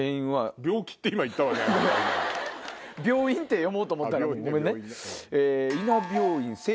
病院って読もうと思ったごめんね。